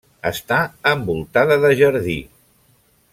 Està envoltada de jardí.